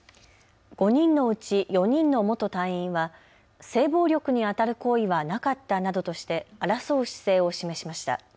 ５人のうち４人の元隊員は性暴力にあたる行為はなかったなどとして争う姿勢を示しました。